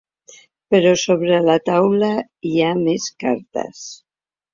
Però sobre la taula hi ha més cartes.